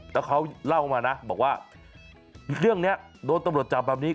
แล้วเขาเล่ามานะบอกว่าเรื่องนี้โดนตำรวจจับแบบนี้